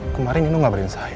kemarin kamu tidak beritahu saya